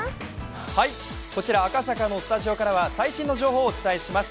こちら赤坂のスタジオからは最新の情報をお伝えします。